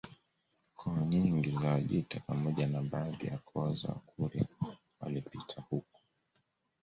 Koo nyingi za Wajita pamoja na baadhi ya koo za Wakurya walipita huko